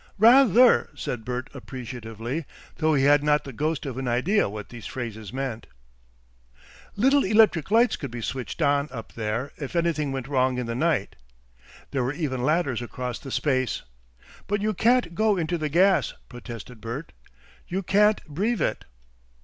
"Rather!" said Bert appreciatively, though he had not the ghost of an idea what these phrases meant. Little electric lights could be switched on up there if anything went wrong in the night. There were even ladders across the space. "But you can't go into the gas," protested Bert. "You can't breve it."